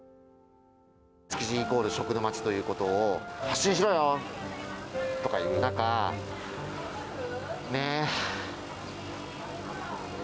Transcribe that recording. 築地イコール食の街ということを発信しろよ！とかいう中、ねぇ。